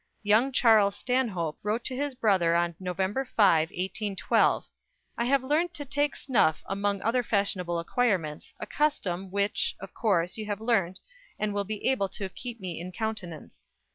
Young Charles Stanhope wrote to his brother on November 5, 1812 "I have learnt to take snuff among other fashionable acquirements, a custom which, of course, you have learnt and will be able to keep me in countenance."